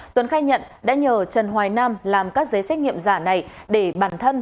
tuấn khai nhận đã nhờ trần hoài nam làm các giấy xét nghiệm giả này để bản thân